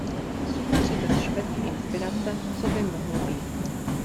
Suchaři bez špetky inspirace co by mohlo být.